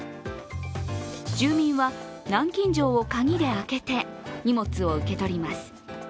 住民は南京錠を鍵で開けて荷物を受け取ります。